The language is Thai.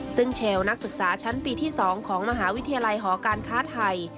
ซึ่งเชลล์นักศึกษาชั้นปีที่๒ของมหาวิทยาลัยหอการค้าไทย